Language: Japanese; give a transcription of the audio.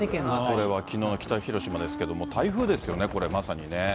これはきのうの北広島ですけれども、台風ですよね、これ、まさにね。